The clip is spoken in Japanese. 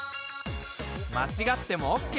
間違ってもＯＫ！